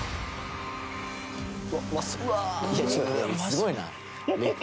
すごいな。